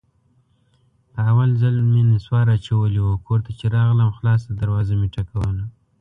په اول ځل مې نصوار اچولي وو، کور ته چې راغلم خلاصه دروازه مې ټکوله.